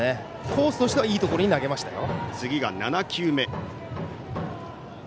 コースとしてはいいところに投げましたよ。